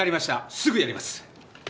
すぐやります。